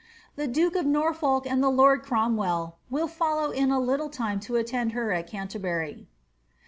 The duke of Norfolk and the lord Cromwell will follow tn a liiHi ame m alland h«r al Canterbury."